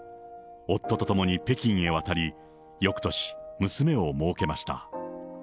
夫と共に北京へ渡り、翌年、娘をもうけました。